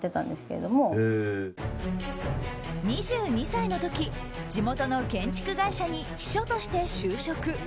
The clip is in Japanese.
２２歳の時地元の建築会社に秘書として就職。